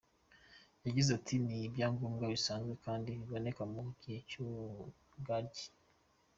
Yagize ati “Ni ibinyabwoya bisanzwe kandi biboneka mu gihe cy’Urugaryi.